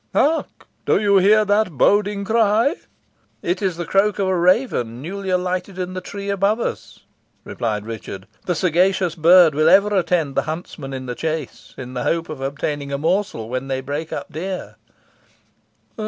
Hark! Do you hear that boding cry?" "It is the croak of a raven newly alighted in the tree above us," replied Richard. "The sagacious bird will ever attend the huntsman in the chase, in the hope of obtaining a morsel when they break up deer."